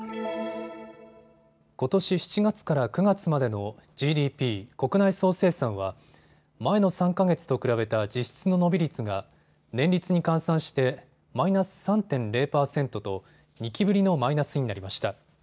ことし７月から９月までのＧＤＰ・国内総生産は前の３か月と比べた実質の伸び率が年率に換算してマイナス３．０％と２期ぶりのマイナスになりました。